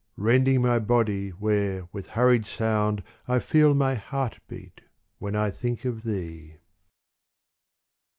Rending my body where with hurried sound I feel my heart beat when I think of thee.